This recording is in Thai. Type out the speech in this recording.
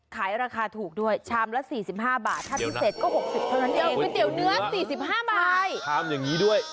ขายราคาถูกด้วยชามละ๔๕บาทถ้าดิเสร็จก็๖๐เท่านั้นเอง